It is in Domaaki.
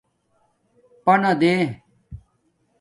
پنادے